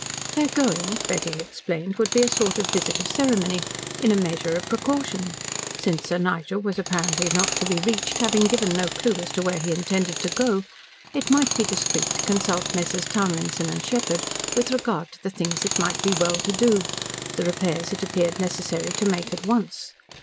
Their going, Betty explained would be a sort of visit of ceremony in a measure a precaution. Since Sir Nigel was apparently not to be reached, having given no clue as to where he intended to go, it might be discreet to consult Messrs. Townlinson & Sheppard with regard to the things it might be well to do the repairs it appeared necessary to make at once.